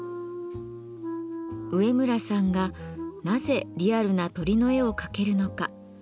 上村さんがなぜリアルな鳥の絵を描けるのか？